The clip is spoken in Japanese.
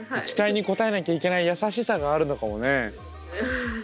期待に応えなきゃいけない優しさがあるのかもね。